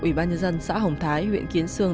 ủy ban nhân dân xã hồng thái huyện kiến sương